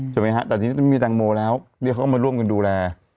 ใช่ไหมฮะไม่มีแตงโมแล้วเดี๋ยวเขามาร่วมดูแล